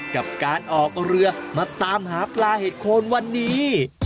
กับการออกเรือมาตามหาปลาเห็ดโคนวันนี้